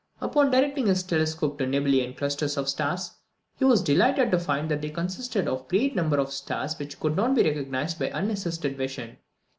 Upon directing his telescope to nebulæ and clusters of stars, he was delighted to find that they consisted of great numbers of stars which could not be recognised by unassisted vision.